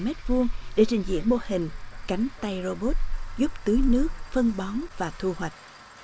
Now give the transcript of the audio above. mét vuông để trình diễn mô hình cánh tay robot giúp tưới nước phân bón và thu hoạch